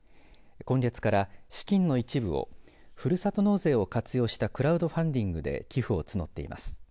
今月から資金の一部をふるさと納税を活用したクラウドファンディングで寄付を募っています。